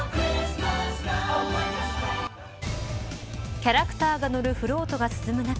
キャラクターが乗るフロートが進む中